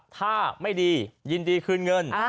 ถ้าไม่ดียินดีเกลื้อเงิน